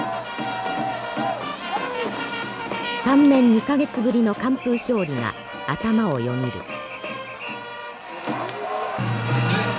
３年２か月ぶりの完封勝利が頭をよぎる。